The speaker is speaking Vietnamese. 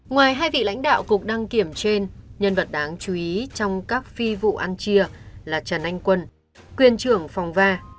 ngoài hai vị lãnh đạo cục đăng kiểm trên nhân vật đáng chú ý trong các phi vụ ăn chia là trần anh quân quyền trưởng phòng va